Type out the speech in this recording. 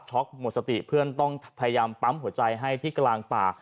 หมดสติเพื่อนต้องพยายามปั๊มหัวใจให้ที่กลางป่า